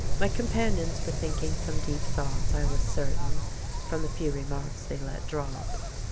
My companions were thinking some deep thoughts, I was certain, from the few remarks they let drop.